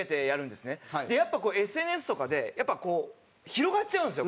やっぱこうＳＮＳとかでやっぱこう広がっちゃうんですよ。